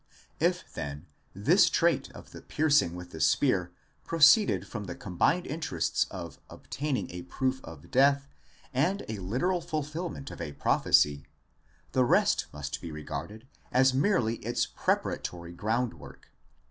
If then this trait of the piercing with the spear proceeded from the com bined interests of obtaining a proof of death, and a literal fulfilment of a prophecy : the rest must be regarded as merely its preparatory groundwork.